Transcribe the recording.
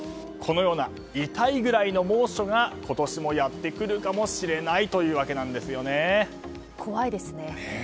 このような痛いぐらいの猛暑が今年もやってくるかもしれない怖いですね。